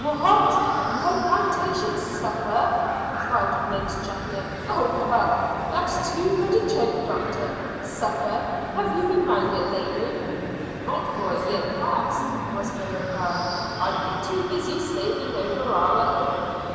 "What! My plantation suffer?" cried Griggs, chuckling. "Oh, come, that's too good a joke, doctor! Suffer? Have you been round it lately?" "Not for a year past," was the reply. "I've been too busy slaving over our own."